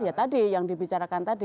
ya tadi yang dibicarakan tadi